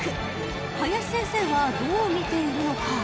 ［林先生はどう見ているのか？］